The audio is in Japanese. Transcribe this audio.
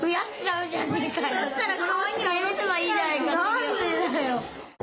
なんでだよ！